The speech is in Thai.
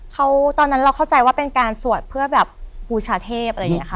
เขาตอนนั้นเราเข้าใจว่าเป็นการสวดเพื่อแบบบูชาเทพอะไรอย่างนี้ค่ะ